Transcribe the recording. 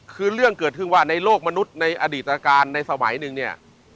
คือเรื่องเกิดขึ้นว่าในโลกมนุษย์ในอดีตการในสมัยหนึ่งเนี่ย